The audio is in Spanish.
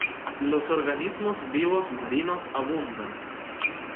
Los organismos vivos marinos abundan.